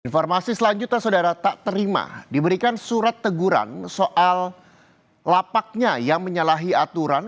informasi selanjutnya saudara tak terima diberikan surat teguran soal lapaknya yang menyalahi aturan